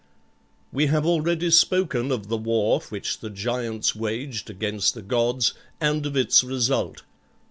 We have already spoken of the war which the giants waged against the gods, and of its result.